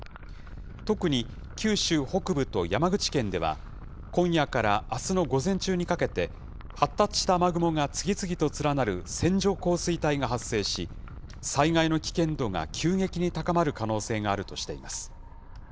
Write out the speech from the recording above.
特に九州北部と山口県では、今夜からあすの午前中にかけて、発達した雨雲が次々と連なる線状降水帯が発生し、災害の危険度が急激に高まる可能性があるとしています。